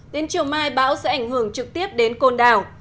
đến chiều mai bão sẽ ảnh hưởng trực tiếp đến côn đảo